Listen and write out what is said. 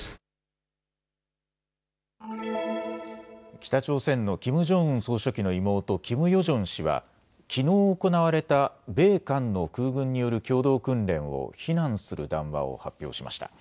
北朝鮮のキム・ジョンウン総書記の妹、キム・ヨジョン氏はきのう行われた米韓の空軍による共同訓練を非難する談話を発表しました。